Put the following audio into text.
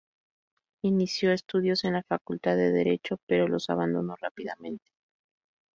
Inició estudios en la Facultad de Derecho, pero los abandonó rápidamente.